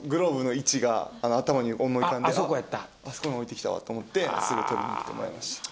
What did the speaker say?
あそこに置いてきたわと思ってすぐ取りに行ってもらいました。